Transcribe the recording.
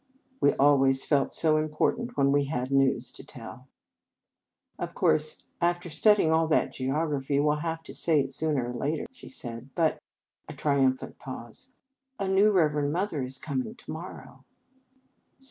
We always felt so impor tant when we had news to tell. "Of course, after studying all that geogra phy, we 11 have to say it sooner or later," she said. "But" a triumph ant pause "a new Reverend Mother is coming to morrow."